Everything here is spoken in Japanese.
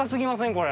これ。